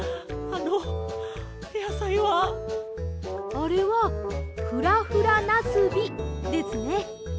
あれは「フラフラなすび」ですね。